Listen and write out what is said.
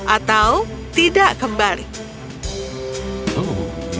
atau tidak kembali